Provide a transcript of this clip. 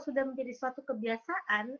sudah menjadi suatu kebiasaan